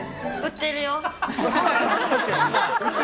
売ってるよ。